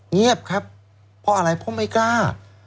เงียบครับเพราะอะไรเพราะไม่กล้า